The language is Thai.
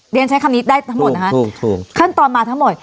เรียนใช้คำนี้ได้ทั้งหมดนะคะขั้นตอนมาทั้งหมด